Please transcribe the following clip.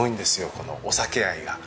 このお酒愛が。